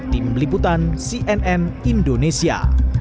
tim liputan cnn indonesia